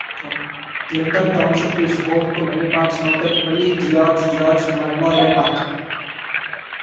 Clinton Township is home to many parks, notably George George Memorial Park.